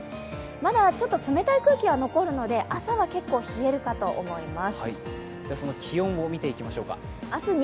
まだちょっと冷たい空気は残るので、朝は結構冷えるかと思います。